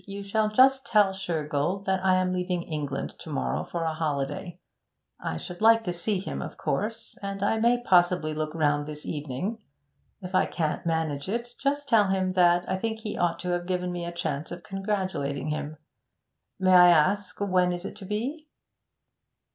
You shall just tell Shergold that I am leaving England to morrow for a holiday. I should like to see him, of course, and I may possibly look round this evening. If I can't manage it, just tell him that I think he ought to have given me a chance of congratulating him. May I ask when it is to be?'